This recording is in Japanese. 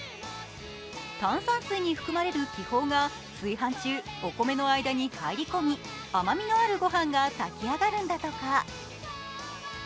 炭酸水に含まれる気泡が炊飯中、お米の間に入り込み甘味のあるご飯が炊き上がるんだとか。